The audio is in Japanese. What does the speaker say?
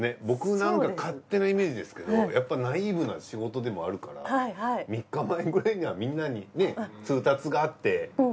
僕なんか勝手なイメージですけどやっぱナイーブな仕事でもあるから３日前くらいにはみんなにね通達があって。